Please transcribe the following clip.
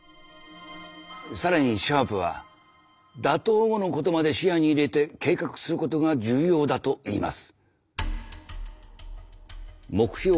更にシャープは打倒後のことまで視野に入れて計画することが重要だと言います。